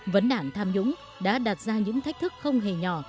vấn đảng tham nhũng đã đạt ra những thách thức không hề nhỏ